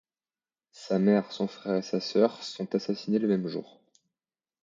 Sa mère, son frère et sa sœur sont assassinés le même jour.